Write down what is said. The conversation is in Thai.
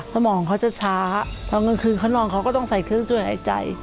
ตอนกลางคืนเขานอนเขาก็ต้องใส่เครื่องช่วยในใจ